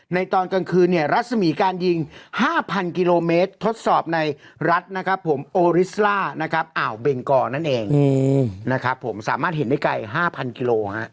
ตอนกลางคืนเนี่ยรัศมีการยิง๕๐๐กิโลเมตรทดสอบในรัฐนะครับผมโอริสล่านะครับอ่าวเบงกอนั่นเองนะครับผมสามารถเห็นได้ไกล๕๐๐กิโลฮะ